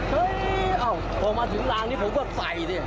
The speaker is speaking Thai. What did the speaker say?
เฮ้ยเอ้าผมมาถึงรางนี้ผมก็ใส่